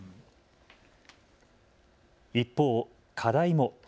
一方、課題も。